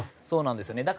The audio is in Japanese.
そうなんですよね。